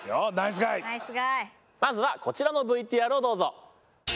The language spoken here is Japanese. まずはこちらのＶＴＲをどうぞ。